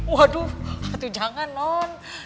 waduh itu jangan non